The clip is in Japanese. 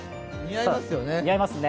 似合いますよね。